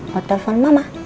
mau telepon mama